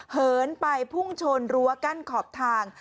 เหินไปพุ่งชนรั้วกั้นขอบทาง